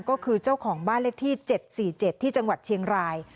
ก็คือเจ้าของบ้านเลขที่๗๔๗ที่จังหวัดเชียงราย